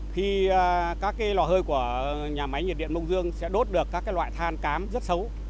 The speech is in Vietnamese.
khi các lò hơi của nhà máy nhiệt điện mông dương sẽ đốt được các loại than cám rất xấu